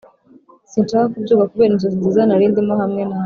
sinshaka kubyuka kubera inzozi nziza nari ndimo hamwe nawe